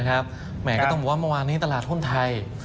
แหมก็ต้องบอกว่าเมื่อวานนี้ตลาดหุ้นไทย